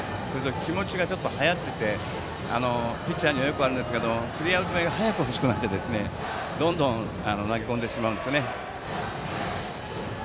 気持ちがちょっと早くてピッチャーによくあるんですがスリーアウト目を早くほしくなってどんどん投げ込んでしまうんです。